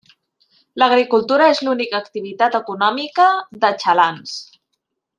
L'agricultura és l'única activitat econòmica de Xalans.